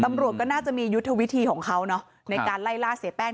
ตำรวจก็น่าจะมียุทธวิธีของเขาเนอะในการไล่ล่าเสียแป้ง